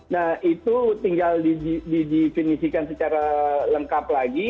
nah itu tinggal di definisikan secara lengkap lagi